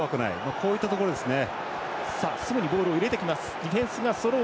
こういったところですね。